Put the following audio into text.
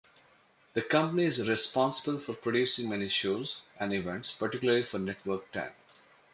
The company is responsible for producing many shows and events, particularly for Network Ten.